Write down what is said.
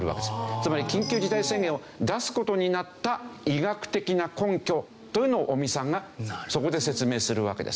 つまり緊急事態宣言を出す事になった医学的な根拠というのを尾身さんがそこで説明するわけです。